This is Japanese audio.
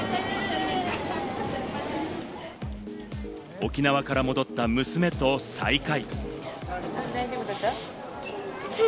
沖縄から戻った娘と再会。